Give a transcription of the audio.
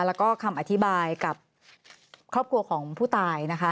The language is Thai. แล้วก็คำอธิบายกับครอบครัวของผู้ตายนะคะ